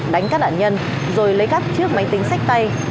đánh các đạn nhân rồi lấy gắt chiếc máy tính sách tay